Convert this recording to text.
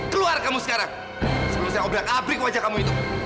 keluar kamu sekarang sebelum saya obrak abrik wajah kamu itu